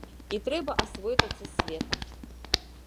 І трэба асвойтацца з светам.